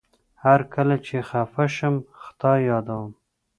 هر کله چي خپه شم خدای يادوم